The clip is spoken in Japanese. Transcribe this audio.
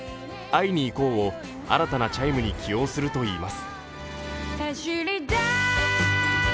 「会いにいこう」を新たなチャイムに起用するといいます。